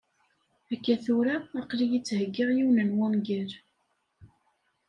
Akka tura, aql-iyi ttheggiɣ yiwen n wungal.